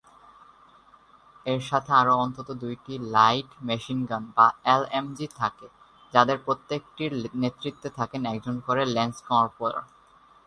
এর সাথে আরও অন্তত দুইটি লাইট মেশিন গান বা এলএমজি থাকে, যাদের প্রত্যেকটির নেতৃত্বে থাকেন একজন করে ল্যান্স কর্পোরাল।